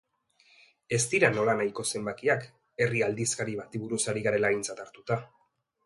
Ez dira nolanahiko zenbakiak herri aldizkari bati buruz ari garela aintzat hartuta.